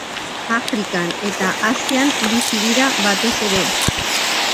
Afrikan eta Asian bizi dira batez ere.